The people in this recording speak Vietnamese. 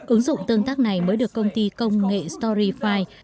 ứng dụng tương tác này mới được công ty công nghệ storyfi